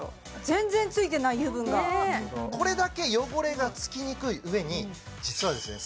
全然ついてない油分がこれだけ汚れがつきにくいうえに実はですね